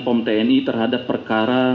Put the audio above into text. pom tni terhadap perkara